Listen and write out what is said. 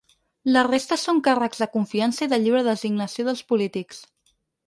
La resta són càrrecs de confiança i de lliure designació dels polítics.